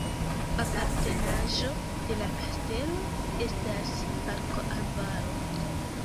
Apartenaĵo de la kastelo estas parko-arbaro.